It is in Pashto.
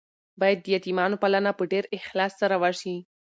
باید د یتیمانو پالنه په ډیر اخلاص سره وشي.